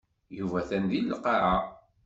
Yuba atan deg lqaɛa.